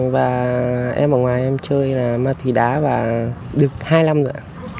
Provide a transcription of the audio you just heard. và em ở ngoài em chơi là ma túy đá và được hai năm nữa ạ